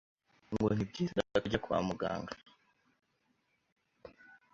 ngo ni byiza ko ajya kwa muganga,